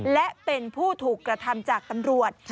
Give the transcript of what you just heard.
และเป็นผู้ถูกกระทำจากตำรวจ